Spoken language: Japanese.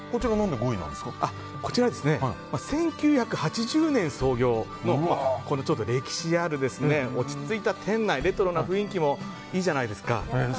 こちらは１９８０年創業のちょっと歴史ある落ち着いた店内レトロな雰囲気もいいじゃないですか。